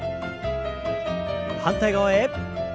反対側へ。